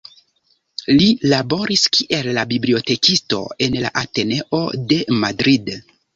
Li laboris kiel bibliotekisto en la Ateneo de Madrid.